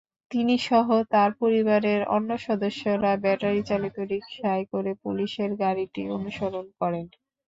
তিনিসহ তাঁর পরিবারের অন্য সদস্যরা ব্যাটারিচালিত রিকশায় করে পুলিশের গাড়িটি অনুসরণ করেন।